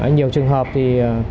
nhiều trường hợp thì